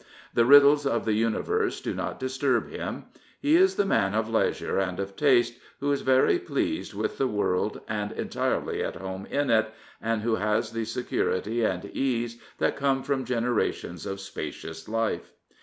The riddles of the universe do not disturb him. Pie is the man of leisure and of taste, who is very pleased with the world and entirely at home in it, and who has the security and ease that come from generations of spacious life.